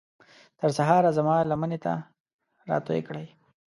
تر سهاره زما لمنې ته راتوی کړئ